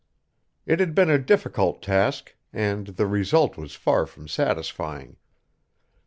It had been a difficult task, and the result was far from satisfying.